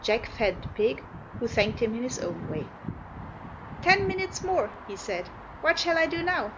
Jack fed the pig, who thanked him in his own way. "Ten minutes more!" he said. "What shall I do now?"